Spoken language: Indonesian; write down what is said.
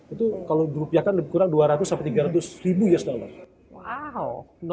itu kalau dirupiakan kurang dua ratus sampai tiga ratus ribu us dollar